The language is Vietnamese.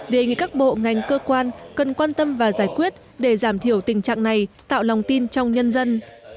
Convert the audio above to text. đề nghị các bộ ngành cơ quan cần quan tâm và giải quyết để giảm thiểu tình trạng này tạo lòng tin trong nhân dân